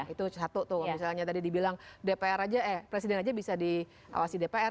itu satu tuh misalnya tadi dibilang dpr aja eh presiden aja bisa diawasi dpr